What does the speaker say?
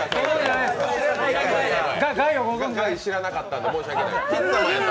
ガイ、知らなかったので申し訳ない。